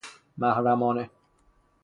محرمانه